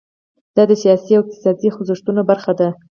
دا د سیاسي او اقتصادي خوځښتونو برخه ده.